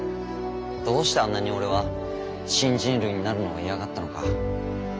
どうしてあんなに俺は新人類になるのを嫌がったのか。